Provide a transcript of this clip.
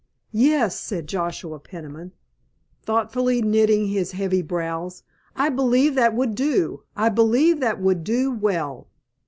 "Yes," said Joshua Peniman, thoughtfully knitting his heavy brows, "I believe that it would do—I believe that it would do well.